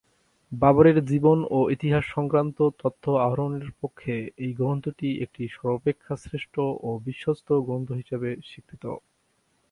বাবরের জীবন ও ইতিহাস সংক্রান্ত তথ্য আহরণের পক্ষে এই গ্রন্থটি একটি সর্বাপেক্ষা শ্রেষ্ঠ ও বিশ্বস্ত গ্রন্থ হিসেবে স্বীকৃত।